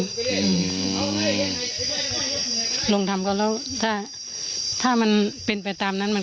อือลงทำเขาแล้วถ้าถ้ามันเป็นแบบตามนั้นมัน